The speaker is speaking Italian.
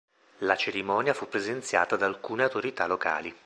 La cerimonia fu presenziata da alcune autorità locali.